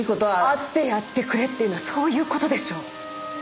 会ってやってくれっていうのはそういう事でしょう。